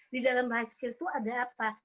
di dalam life skill itu ada apa